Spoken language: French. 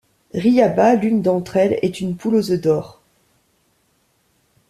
Riaba, l'une d'entre elles, est une poule aux œufs d'or.